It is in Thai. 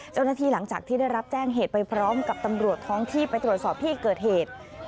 หลังจากที่ได้รับแจ้งเหตุไปพร้อมกับตำรวจท้องที่ไปตรวจสอบที่เกิดเหตุ